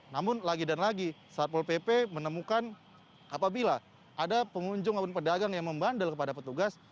namun lagi dan lagi satpol pp menemukan apabila ada pengunjung maupun pedagang yang membandel kepada petugas